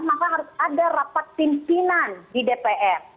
maka harus ada rapat pimpinan di dpr